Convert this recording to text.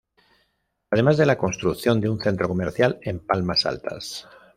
Además de la construcción de un centro comercial en Palmas Altas.